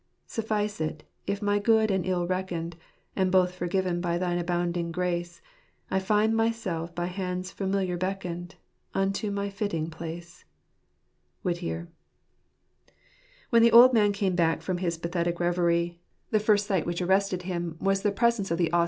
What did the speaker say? ■' Suffice it, if my good and ill unreckoned. And both forgiven by Thine abounding grace, I find myself by hands familiar beckoned, Unto my fitting place." Whittier. When the old man came back from his pathetic reverie, the first sight which arrested him was the presence of the 150 Josepfj at tjje $eatlj |letr of Jfatafr.